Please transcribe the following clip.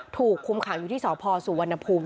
ถูกคุมขังอยู่ที่สพสุวรรณภูมิ